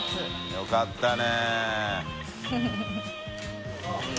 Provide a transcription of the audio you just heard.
よかったね。